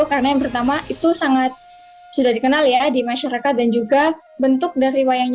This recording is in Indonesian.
karena yang pertama itu sangat sudah dikenal di masyarakat dan juga bentuk dari wayangnya